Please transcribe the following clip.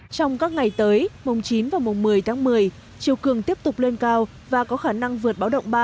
trong các ngày tới mùng chín và mùng một mươi tháng một mươi chiều cường tiếp tục lên cao và có khả năng vượt báo động ba